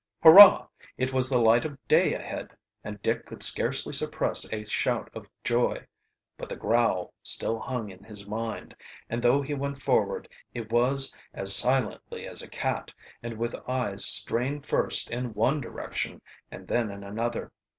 Hurrah! It was the light of day ahead, and Dick could scarcely suppress a shout of joy. But the growl still hung in his mind, and though he went forward it was as silently as a cat and with eyes strained first in one direction and then in another.